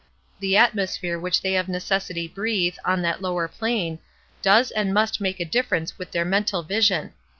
The atmosphere which they of necessity breathe, on that lower plan, does and must make a difference with their mental vision.